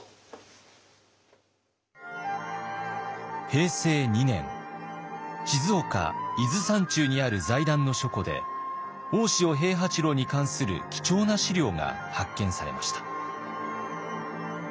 平成２年静岡・伊豆山中にある財団の書庫で大塩平八郎に関する貴重な資料が発見されました。